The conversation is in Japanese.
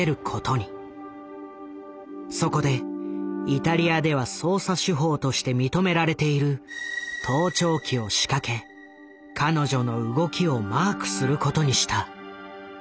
そこでイタリアでは捜査手法として認められている盗聴器を仕掛け彼女の動きをマークすることにした。